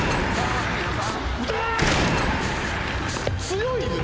強いよ。